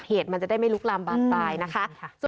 เหตุมันจะได้ไม่ลุกลามบานปลายนะคะ